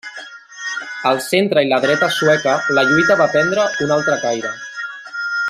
Al centre i la dreta sueca la lluita va prendre un altre caire.